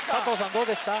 どうでしたか？